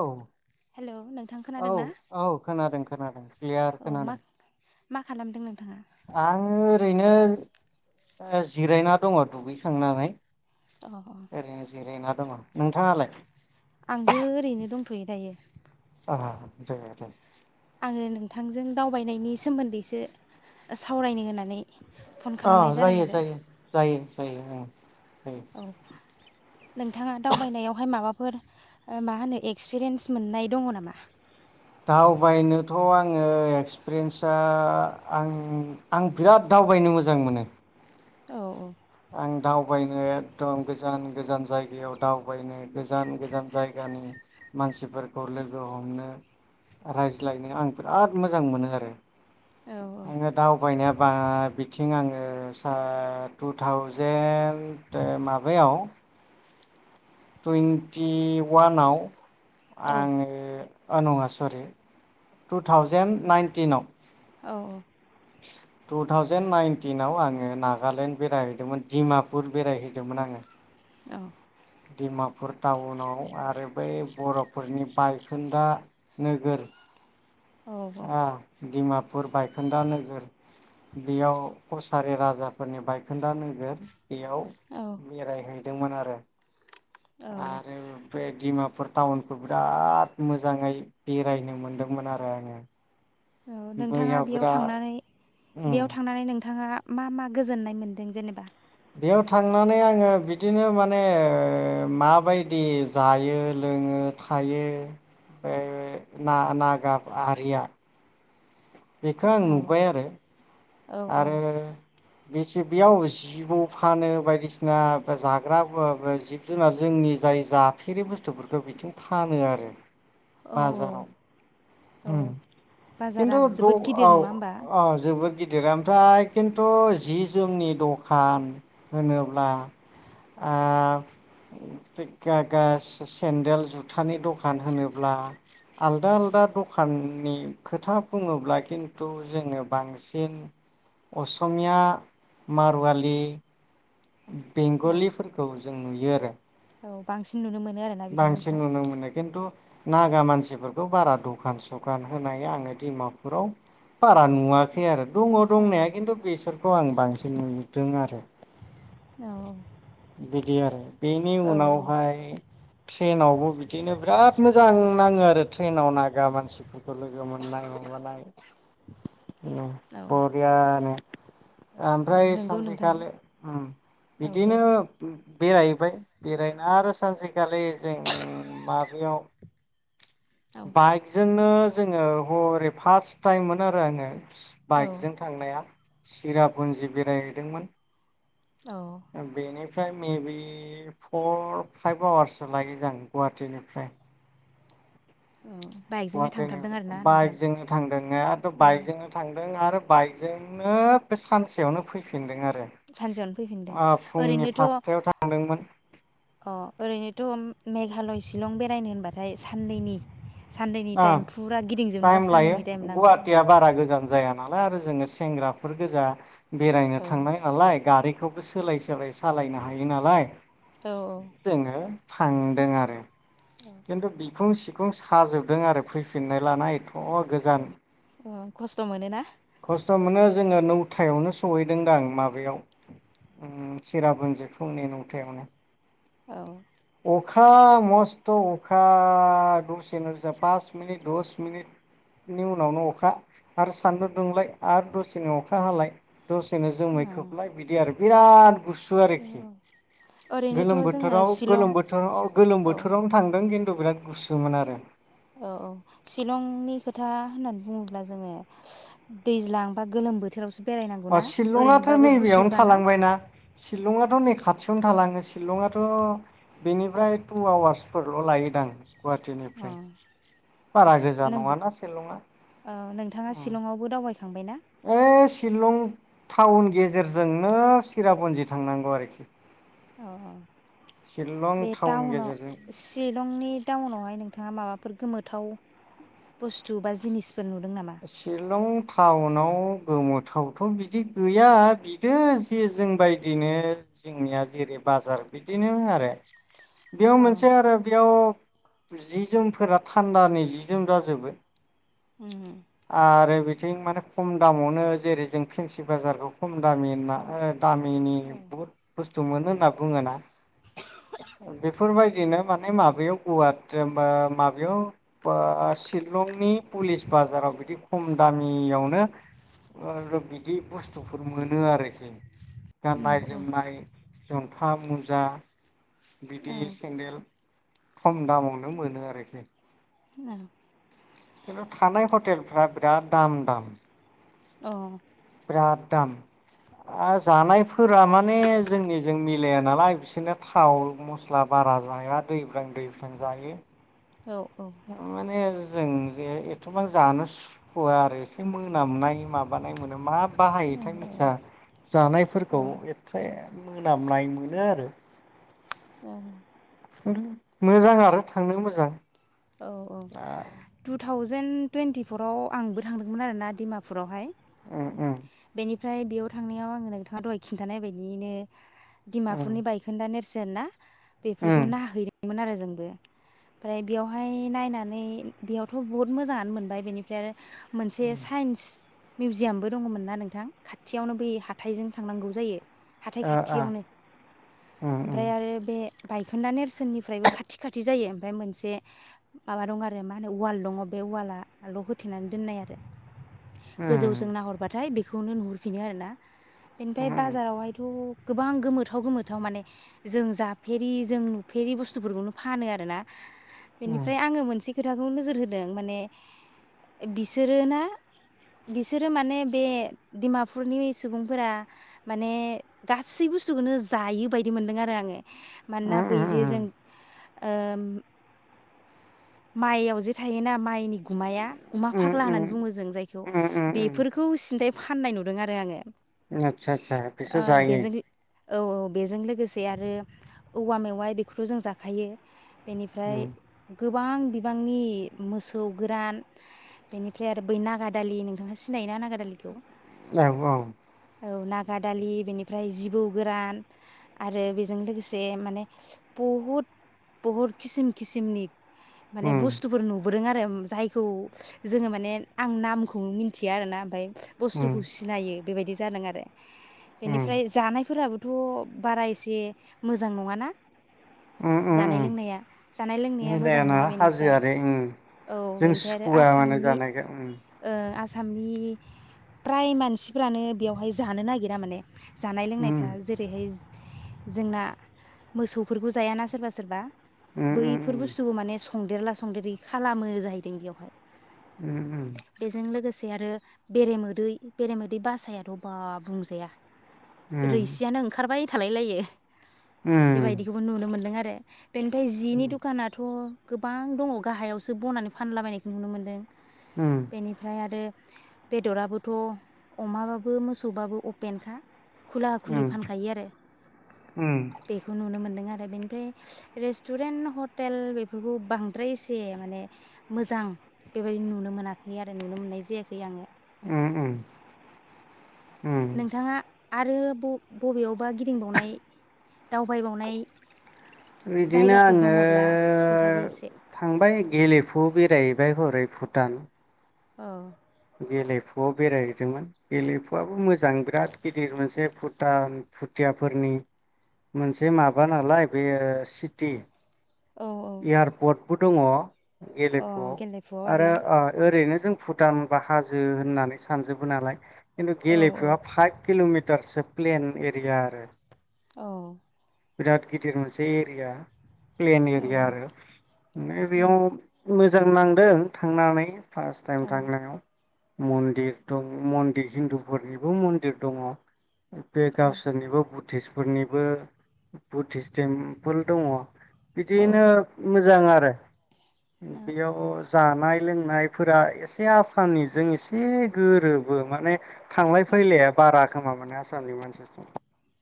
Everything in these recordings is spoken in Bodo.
औ हेलौ नोंथां औ खोनादों ना औ खोनादों खोनादों। क्लियार औ मा खोनादों। मा खालामदों नों आङो ओरै नो ओ जिरायना दङ दुगैखांनानै। अ अ ओरैनो जिरायना दङ। नोंथाङालाय? आंबो ओरैनो दंथ'यो दायो। बा दे दे। आङो नोंथांजों दावबायनायनि सोमोन्दैसो सावरायनो होननानै फन अ खालामनाय जादों जायो आरो जायो जायो जायो उम। औ नोंथाङा दावबायनायावहाय माबाफोर ओ मा होनो एक्सपिरियेन्स मोननाय दङ नामा? दावबायनोथ' आङो एक्सपिरियेन्सा आ आं आं बिराद दावबायनो मोजां मोनो। औ औ आं दावबायनो एकदम गोजान गोजान जायगायाव दावबायनो गोजान गोजान जायगानि मानसिफोरखौ लोगो हमनो रायज्लायनो आं बिराद मोजां मोनो आरो औ आङो दावबायनाया बा बिथिं आङो सा टु थावजेन्ट माबायाव टुइन्टि वानाव औ आङो अ नङा सरि टु थावजेन्ट नाइनटिनाव औ टु थावजेेन नाइनटिनाव आङो नागालेण्ड बेरायहैदोंमोन दिडमापुर बेरायहैदोंमोन आङो। डिमापुर टाउनाव आरो बै बर'फोरनि बायखोन्दा नोगोर ओ डिमापुर बायखोन्दा नोगोर बेयाव कसारि राजाफोरनि बायखोन्दा नोगोर बेयाव औ बेरायहैदोंमोन आरो। आरो बे डिमापुर टाउनखौ बिराद मोजाङै बेरायनो मोनदोंमोन आरो आङो। औ नोंथाङा बैयाव बेयाव बिराद थांनानै उम बेयाव थांनानै नोंथाङा मा मा गोजोननाय मोनदों जेनेबा? बेयाव थांनानै आङो बिदिनो माने माबायदि जायो लोङो थायो बे ना नागाब आरिया बेखौ आं औ नुबाय आरो औ औ आरो बे बेयाव जिबआव फानो बायदिसिना जाग्राव जिब जुनार जोंनि जाय जाफेरि बुस्थुफोरखौ बिथिं फानो आरो औ औ बाजाराव औ उम बाजारा खिन्थु द जोबोद गिदिर औ नङा होमबा अ जोबोद गिद गिदिरानोथ खिन्थु जि जोमनि दखान होनोब्ला ओ गागा सेन्देल जुथानि दखान होनोब्ला आलदा आलदा दखाननि खोथा बुङोब्ला खिन्थु जोङो बांसि इन असमिया मारुवलि औ बेंगलिफोरखौ जों नुयो आरो औ बांसिन नुनो मोन बांसिन नुनो मोनो खिन्थु नागा मानसिफोरखौ बारा दखान सखान होनाय आङो डिमापुराव बारा नुवाखै आरो दङ औ दंनाया किन्थु बेसोर खौ आं बांसिन नुदों आरो। औ दि आरो। बेनि औ उनावहाय ट्रेनआवबो बिदिनो बोराद मोजां नाङो आरो ट्रेनाव नागा मानसिफोर फोर लोगो मोननाय माबानाय। उम औ बरियानो। औ ओमफ्राय नंगौ नोंथां सानसेखालि होम औ दे बिदिनो बुं बेरायबाय बेरायना आरो [unintelligible] खालि जों माबायाव औ बाइकजोंनो जोङो हरै फार्स्ट टाइममोन आरो आङो औ बाइक जों थांनाया। चिरापुन्जि बेरायहैदोंमोन। औ ओ बेनि फ्राय मेबि फ'र फाइभ आवार्ससो लायो जां गुवाहाटिनिफ्राय। औ बाइकजोंनो गुवाहाटिनि थांथारदों आरोना नोंथां बाइकजोंनो थांदों [unintelligible] औ बाइकजोंनो थांदों आरो बाइकजोंनो बे सानसेयावनो फैफिनदों आरो। सानसेयावनो फैफिनदों फुंनि ओरैनोथ' फासथायाव थांदोंमोन अ ओरैनोथ' मेघालय शिलं बेरायनो होनबाथाय साननैनि साननैनि टाइम फुरा गिदिंजोबनोबा टाइम लायो साननैनि टाइम नांगौ औ। बा आरो जोङो सेंग्राफोर गोजा बेरायनो औ थांनाय नालाय गारि खौबो सोलाय सोलाय सालायनो हायो नालाय औ जोङो थांदों आरो। किन्तु बि खुं सिखुं साजोब दों आरो फैफिन्नाय लाना एथ' गोजान अ खस्थ' मोनो ना? खस्थ' मोनो जोङो नौथायावनो सहैदोंदां माबायाव उम चिराफुन्जि फुंनि नौथायावनो। औ अखा मस्थ' अखा दसेनो पास मिनिट दस मिनिटनि उनावनो अखा आरो सान्दुं दुंलाय आरो दसेनो अखा हालाय। दसेनो जोमै खोबलाय बिदि आरो बिराद गुसु आरोखि औ औ ओरैनोथ' गोलोम जोङो बोथोराव शिलं गोलोम बोथोराव गोलोम औ बोथोरावनो थांदों खिन बिराद गुसुमोन आरो। औ औ शिलंनि खोथा होन्नानै बुङोब्ला जोङो दैज्लां बा गोलोम बोथोरावसो बेरायनांगौ अ ना शिलंआाथ' ओरैनोबाबो नैबेयावनो गुसुखाना थालांबायना शिलङाथ' नै खा थियावनो थालाङो शिलंआथ' बेनिफ्राय टु आवार्सफोरल' लायोदां। गुवाहाटिनिफ्राय अ बारा गोजा सि नों नङाना शिलंआ ओ नोंथाङा सिशलंआवबो दावबाय थांबाय ना? ओइ शिलं टाउन गेजेरजोंनो चिराबन्जि थांनांगौ आरोखि। अ अ। शिलं बे टाउन टाउनाव गेजेरजों शिलंनि टाउनावहाय नोंथाङा माबाफोर गोमोथाव बुस्थु बा जिनिस शिलं टाउन नाव गोमोथावथ' बिदि गैया बिद जे जोंबायदिनो जोंनिया जेरै बाजार बिदिनो आरो। बेयाव अ मोनसे आरो बेयाव जि जोमफोरा थान्दानि जि जोम जाजोबो। उम। आरो बिथिं माने खम दामावनो जेरै जों फेन्सि बाजारखौ खम दामि होन्ना ओ दामिनि औ बहुत बुस्थु थु मोनो होन्ना बुङोना बेफोरबायदिनो माने माबायाव गुवाटबा माबायाव बा शिलंनि पुलिस बाजाराव बिदि खम दामियावनो ओ बिदि बुस्थुफोर मोनो आरोखि औ गान्नाय जोमनाय जंथा मुजा बिदि सेन्देल खम दामावनो मोनो आरोखि। खिनथु थानाय हटेलफ्रा बिराद दाम दाम। अ। बिराद दाम आ जानायफोरा माने जोंनिजों मिलाया नालाय बिसोरनो थाव मस्ला बारा जाया दैब्रां दैथां जायो। औ। माने जों जे एथबां जानो सुखुवआ आरो एसे मोनामनाय माबानाय मोनो मा बाहायोथाय मिथिया। जानायफोरखौ एसे मोनामनाय मोनो आरो। ओम मोजां आरो थानो मोजां। औ औ औ आ टु थावजेन टुइन्टिफराव आंबो थांदोंमोन आरोना डिमापुरावहाय। उम उम। ओमफ्राय बेयाव थांनायाव आङो नोंथाङा दहाय खिन्थानाय बायदियैनो उम डिमापुरनि बायखोन्दा नेरसन [unintelligible] बेफोरखौ उम नायहैनो मोन आरो जोंबो ओमफ्राय बेयावहाय नायनानै बेयावथ' बहुत मोजाङानो मोनबाय बेनिफ्राय आरो मोनसे साइन्स मिउजियामबो दङमोन ना नोंथां खाथियावनो बै हाथायजों थांनांगौ जायो। हाथाय आ आ खाथियावनो उम उम ओमफ्राय आरो बे बायखोन्दा नेरसोननिफ्रायबो खाथि खाथि जायो ओमफ्राय मोनसे माबा दं आरो म माने ववाल दङ बे ववालाल' होथेनानै दोननाय आरो उम गोजौजों नाहरबाथाय बे बेखौनो नुहुरफिनो आरो ना बेनिफ्राय उम उम बाजारावहायथ' गोबां गोमोथाव गोमोथाव माने जों जाफेरि जों नुफेरि बुस्थुफोरखौनो फानो आरोना उम बेनिफ्राय आङो मोनसे खोथाखौ नोजोर होदों माने बिसोरोना बिसोरो माने बे डिमापुरनि सुबुंफोरा माने गासै बुस्थुखौनो जायो बायदि मोनदों आरो आङो। मानोना उम बै जे जों। ओम माइआव जे थायोना माइनि गुमाया गुमा फाग्ला होननानै बुङो जों जायखौ उम उम उम उम बेफोरखौ सिन्था फाननाय नुदों आरो आङो। आतसा आतसा फिस ओ जायो? बेजों औ औ बेजों लोगोसे आरो औवा मेवाय बेखौथ' जों जाखायो। बेनिफ्राय उम गोबां बिबांनि मोसौ गोरान बेनिफ्राय आरो बै नागादालि नोंथाङा सिनायोना नागादालिखौ? औ औ औ नागा दालि बेनिफ्राय जिबौ गोरान आरो बेजों लोगोसे माने बहुद बहुद किसिम किसिमनि माने उम बुस्थुफोर नुबोदों आरो जायखौ जोङो माने आं नामखौ मिथिया आरोना ओमफ्राय उम बुस्थुखौ सिनायो। बेबायदि जादों आरो उम बेनिफ्राय जानाय फोराबो थ बारा एसे मोजां नङा ना? उम उम जानाय उम लोंनाया जानाय लोंनाया मो [unintelligible] हाजोआरि ओं बेनिफ्राय आरो सुखुआ माने जानायखौ नि प्राय मानसिफ्रानो बेवहाय जानो नागिरा माने जानाय उम लोंनायफ्रा जेरैहाय जोंना मोसौफोरखौ जायाना सोरबा सोरबा उम उम बैफोर उम बुस्थुखौ माने संदेरला संदेरै खालामो जाहैदों बेवहाय। उम उम आरो बेरे मोदै बेरेमोदै बासायाथ बा बुंजाया उम रैसियानो ओंखारबाय थालाय लायो। उम बेबायदिखौबो नुनो मोनदों आरो। [unintelligible] बेनिफ्राय उम जिनि दुखाना थ गोबां दङ गाहायावसो बनानै फानलाबायनायखौ नुनो मोन्दों। बेनिफ्राय आरो बेदराबोथ अमाबाबो मोसौबाबो अपेनखा खुला खुलि उम फानखायो आरो उम बेखौ नुनो मोनदों आरो। बेनिफ्राय रेस्टुरेन्ट ह टेल बेफोरखौ बांद्राय एसे माने मोजां बेबायदि नुनो मोनाखै आरो नुनो मोननाय जायाखै आङो। उम उम उम नोंथाङा आरो बबेयावबा गिदिंबावनाय दावबायबावनाय बिदिनो जायगाफोर आङो दङब्ला खिन्थादो एसे थांबाय गेलेफु बेरायहैबाय हरै भुटान औ गेलेफुआव बेरायहैदोंमोन गेलेफुआबो मोजां बिराद गिदिर मोनसे भुटान भुथियाफोरनि मोनसे माबा नालाय बे सिटि। औ एयारपर्ट। बो दङ। अ गेलेफुआव गेलेफुआव आरो आरोना ओ ओरैनो जों। भुटान बा हाजो होननानै सानजोबो नालाय। खिन्थु औ गेलेफुा फाइभ किलमि टारसे प्लेन एरिया आरो। औ। बिराद गिदिर मोनसे एरिया। प्लेन औ एरिया आरो मने बेयाव मो जां नांदों थांनानै। फार्स्ट टाइम औ थांनायाव। मन्दिर दं मन्दिर हिन्दुफोरनिबो मन्दिर दङ। बे गावसोरनिबो बुद्धिस। फोरनिबो। बुदधिस टेम्पोल दङ। बिदियैनो मोजां आरो। [unintelligible] बियाव। जानाय लोंनायफोरा एसे आसामनिजों एसे गोरोबो माने। थांलाय फैलाया बारा। खोमा माने आसामनि मानसिजों।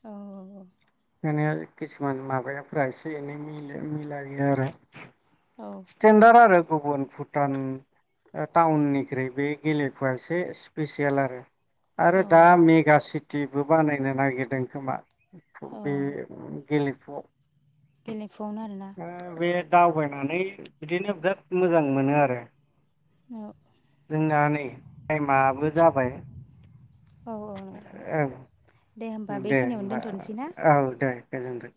औ। माने किसुमान माबायाफ्रा एसे एनै [unintelligible] मिलायो आरो। स्टेनडार्ड आरो। गुबुन भुटान टाउननिख्रुइ बे गेलेफुवआ एसे स्पेसियेल आरो। औ आरो दा मेगासिट। टिबो बानायनो नागिरदों खोमा। अ बे गेले फुआव। गेलेफुआवनो आरोना। दावबायनानै बिदिनो बिराद मोजां मोनो आरो। औ जोंना नै थाइमाबो। जाबाय। औ औ नोंथां। ओं दे होमबा दे बेखिनियावनो होमबा दोनथ'नोसै ना औ दे। गोजोनथों।